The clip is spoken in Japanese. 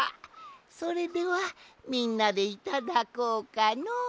それではみんなでいただこうかのう。